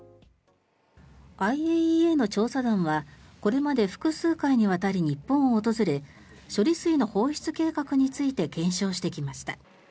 ＩＡＥＡの調査団はこれまで複数回にわたり日本を訪れ処理水の放出計画について検証してきました。